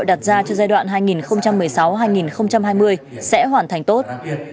đặt ra cho giai đoạn hai nghìn một mươi sáu hai nghìn hai mươi sẽ hoàn thành tốt